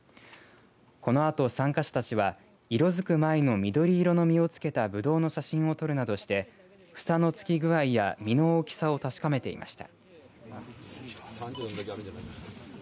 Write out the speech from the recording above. このあと参加者たちは色づく前の緑色の実をつけたぶどうの写真を撮るなどして房のつき具合や、実の大きさを確かめていました。